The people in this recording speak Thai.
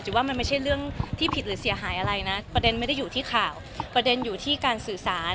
ว่ามันไม่ใช่เรื่องที่ผิดหรือเสียหายอะไรนะประเด็นไม่ได้อยู่ที่ข่าวประเด็นอยู่ที่การสื่อสาร